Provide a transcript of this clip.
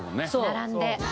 並んで。